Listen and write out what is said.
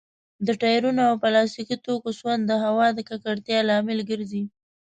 د ټايرونو او پلاستيکي توکو سون د هوا د ککړتيا لامل ګرځي.